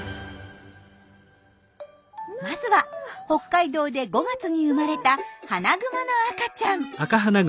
まずは北海道で５月に生まれたハナグマの赤ちゃん。